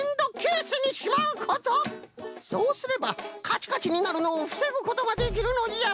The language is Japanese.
そうすればカチカチになるのをふせぐことができるのじゃ。